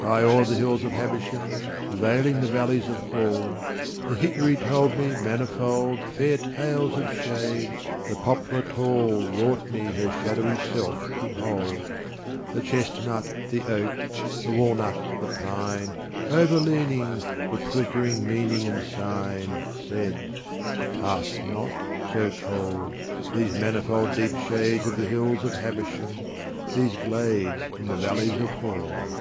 High o'er the hills of Habersham, Veiling the valleys of Hall, The hickory told me manifold Fair tales of shade, the poplar tall Wrought me her shadowy self to hold, The chestnut, the oak, the walnut, the pine, Overleaning, with flickering meaning and sign, Said, `Pass not, so cold, these manifold Deep shades of the hills of Habersham, These glades in the valleys of Hall.'